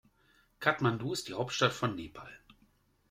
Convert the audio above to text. Kathmandu ist die Hauptstadt von Nepal.